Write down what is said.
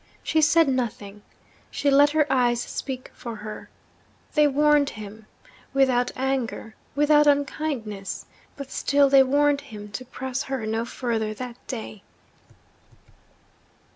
She said nothing; she let her eyes speak for her. They warned him without anger, without unkindness but still they warned him to press her no further that day.